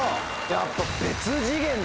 やっぱ。